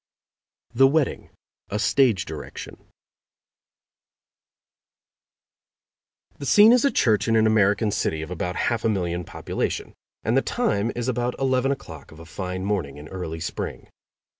The Wedding. A Stage Direction_ _The scene is a church in an American city of about half a million population, and the time is about eleven o'clock of a fine morning in early spring.